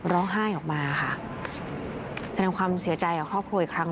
ร้องไห้ออกมาค่ะแสดงความเสียใจกับครอบครัวอีกครั้ง